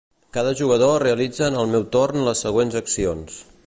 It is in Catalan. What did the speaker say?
Cada jugador realitza en el meu torn les següents accions.